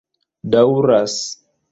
daŭras